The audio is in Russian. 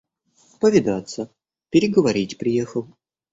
Повидаться, переговорить приехал.